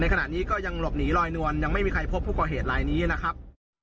ขณะนี้ก็ยังหลบหนีลอยนวลยังไม่มีใครพบผู้ก่อเหตุลายนี้นะครับ